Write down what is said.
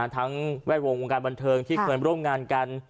ทั้งแวดวงธุรกิจวงการบันเทิงที่เพื่อนบริโรงงานกัน